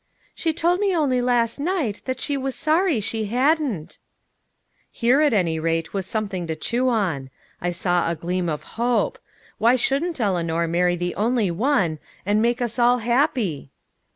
"She told me only last night that she was sorry she hadn't!" Here, at any rate, was something to chew on. I saw a gleam of hope. Why shouldn't Eleanor marry the only one and make us all happy!